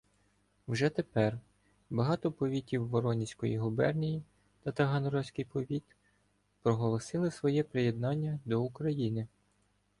Вже тепер багато повітів Воронізької губернії та таганрозький повіт проголосили своє приєднання до України.